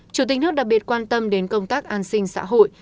chủ tịch nước đặc biệt quan tâm đến công tác an sinh xã hội